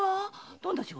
どんな仕事？